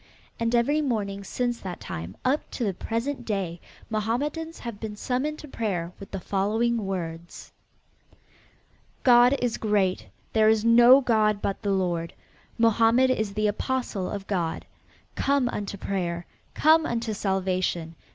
And every morning since that time up to the present day, Mohammedans have been summoned to prayer with the following words: "God is great; there is no god but the Lord. Mohammed is the Apostle of God. Come unto prayer! Come unto salvation!